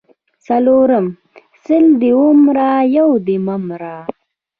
څلرم:سل دي ومره یو دي مه مره